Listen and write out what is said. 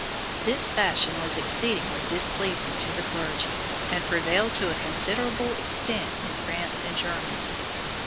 This fashion was exceedingly displeasing to the clergy, and prevailed to a considerable extent in France and Germany.